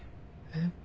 えっ。